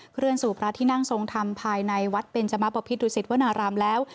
เคลื่อนสู่พระที่นั่งทรงธรรมภายในวัดเบนจมะบพิษดุสิตวนารามแล้ว